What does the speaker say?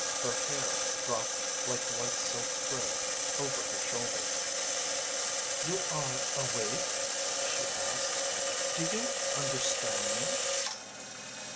Her hair dropped like white silk threads over her shoulders. "You are awake?" she asked. "Do you understand me?"